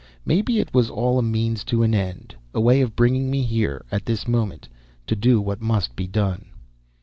"Maybe it was all a means to an end. A way of bringing me here, at this moment, to do what must be done."